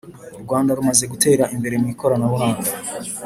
Urwanda rumaze gutera imbere mwi koranabuhanga